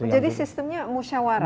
jadi sistemnya musyawarah